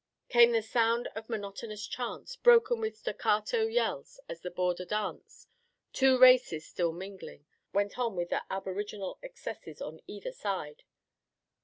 Came the sound of monotonous chants, broken with staccato yells as the border dance, two races still mingling, went on with aboriginal excesses on either side.